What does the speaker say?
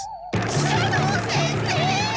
斜堂先生！